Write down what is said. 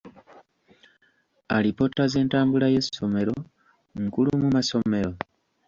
Alipoota z'entambula y'essomero nkulu mu masomero?